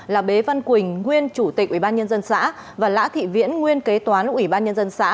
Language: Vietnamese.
là bế văn quỳnh nguyên chủ tịch ủy ban nhân dân xã và lã thị viễn nguyên kế toán ủy ban nhân dân xã